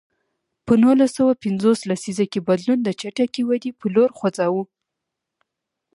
په نولس سوه پنځوس لسیزه کې بدلون د چټکې ودې په لور خوځاوه.